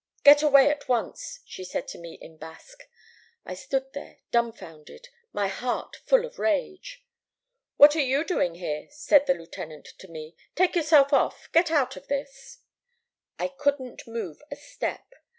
"'Get away at once,' she said to me in Basque. I stood there, dumfounded, my heart full of rage. "'What are you doing here?' said the lieutenant to me. 'Take yourself off get out of this.' "I couldn't move a step.